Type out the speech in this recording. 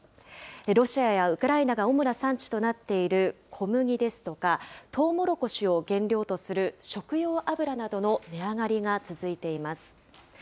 ロシアやウクライナが主な産地となっている小麦ですとかとうもろこしを原料とする食用油などの値上がりが続いています。